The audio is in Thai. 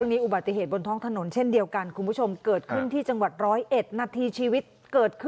อย่างงี้อุบัติเหตุบนท้องถนนเช่นเดียวกันคุณผู้ชมเกิดขึ้นที่จังหวัดร้อยเอ็ด